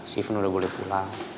si ifon udah boleh pulang